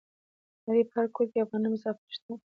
د نړۍ په هر ګوټ کې افغانان مسافر شته.